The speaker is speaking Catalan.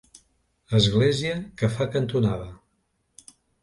Església que fa cantonada.